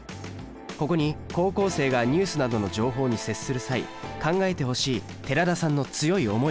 ここに高校生がニュースなどの情報に接する際考えてほしい寺田さんの強い思いがあります